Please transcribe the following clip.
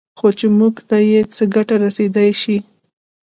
خو چې موږ ته یې څه ګټه رسېدای شي